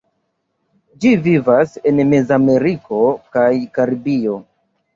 Ĝi vivas en Mezameriko kaj Karibio.